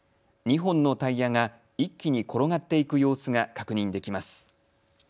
２本のタイヤが一気に転がっていく様子が確認できます。